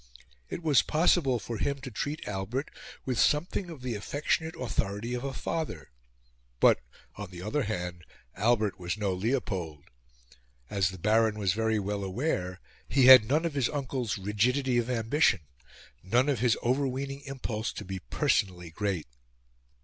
It was possible for him to treat Albert with something of the affectionate authority of a father; but, on the other hand, Albert was no Leopold. As the Baron was very well aware, he had none of his uncle's rigidity of ambition, none of his overweening impulse to be personally great.